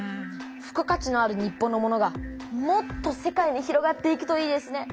付加価値のある日本のものがもっと世界に広がっていくといいですね。